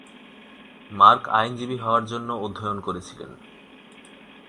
Mark আইনজীবী হওয়ার জন্য অধ্যয়ন করেছিলেন।